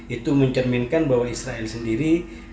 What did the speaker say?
itu mencerminkan bahwa israel sendiri